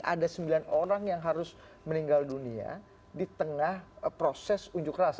ada sembilan orang yang harus meninggal dunia di tengah proses unjuk rasa